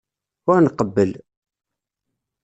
Ur nqebbel.